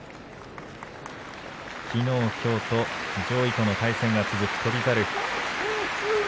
きのう、きょうと上位との対戦が続く翔猿。